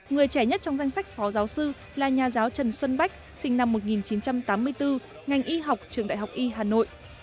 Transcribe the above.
người trẻ nhất trong danh sách phó giáo sư là nhà giáo trần xuân bách sinh năm một nghìn chín trăm tám mươi bốn ngành y học trường đại học y hà nội